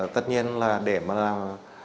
tất nhiên là để mà làm